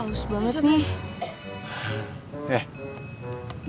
harusnya tuh gue yang nemenin kak aldo